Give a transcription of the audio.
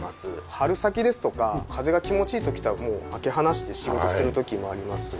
春先ですとか風が気持ちいい時とかはもう開け放して仕事をする時もあります。